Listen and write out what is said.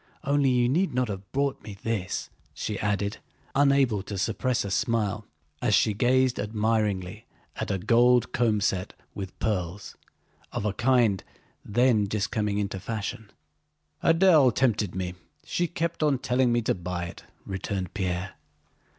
Only you need not have bought me this," she added, unable to suppress a smile as she gazed admiringly at a gold comb set with pearls, of a kind then just coming into fashion. "Adèle tempted me: she kept on telling me to buy it," returned Pierre.